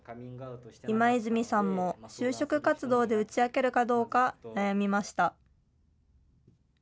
今泉さんも、就職活動で打ち明けるかどうか悩みました。